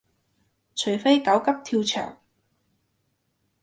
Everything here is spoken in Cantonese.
除非狗急跳墻